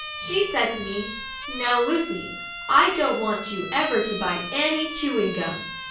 She said to me, 'Now, Lucy, I don't want you ever to buy any chewing gum.